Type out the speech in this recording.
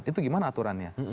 itu gimana aturannya